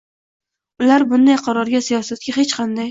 ular bunday qarorga siyosatga hech qanday